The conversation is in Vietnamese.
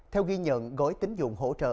theo ghi nhận gói tính dụng hỗ trợ